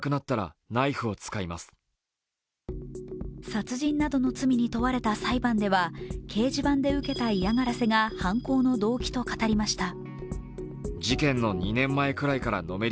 殺人などの罪に問われた裁判では、掲示板で受けた嫌がらせが犯行の動機と語りました。